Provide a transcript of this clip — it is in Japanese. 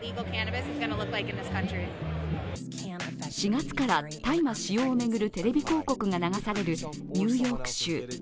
４月から大麻使用を巡るテレビ広告が流されるニューヨーク州。